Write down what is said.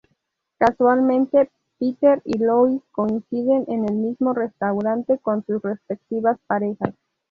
Casualmente, Peter y Lois coinciden en el mismo restaurante con sus respectivas parejas.